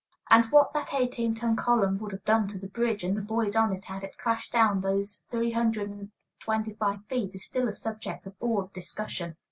And what that eighteen ton column would have done to the bridge, and the boys on it, had it crashed down those three hundred and twenty five feet, is still a subject of awed discussion.